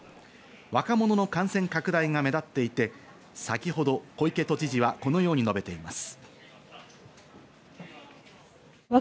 若者の感染拡大が目立っていて、先ほど小池都知事はこのように述べています。